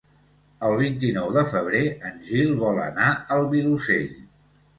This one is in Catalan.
El vint-i-nou de febrer en Gil vol anar al Vilosell.